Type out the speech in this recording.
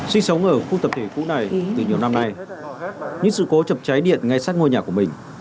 sinh sống ở khu tập thể cũ này từ nhiều năm nay những sự cố chập cháy điện ngay sát ngôi nhà của mình